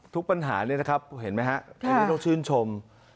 ทุกปัญหานี้เห็นไหมครับทุกต้องชื่นชม